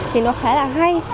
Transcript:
thì nó khá là hay